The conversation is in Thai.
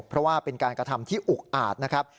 เพราะว่าเป็นการกระทำที่อุกอาจนะครับ